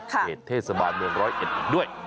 เศรษฐ์เทศบาลเมือง๑๐๑ด้วย